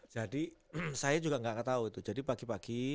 jadi saya juga nggak ketau itu jadi pagi pagi